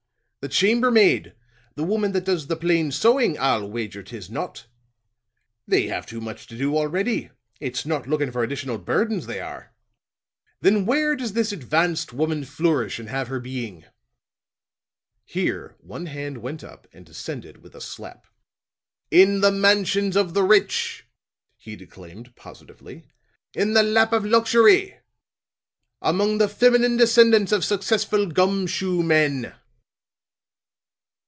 The chambermaid? The woman that does the plain sewing? I'll wager 'tis not. They have too much to do already; it's not looking for additional burdens they are. Then where does this advanced woman flourish and have her being?" Here one hand went up and descended with a slap. "In the mansions of the rich," he declaimed positively; "in the lap of luxury. Among the feminine descendants of successful gum shoe men!"